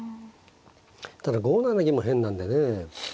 ただ５七銀も変なんでね。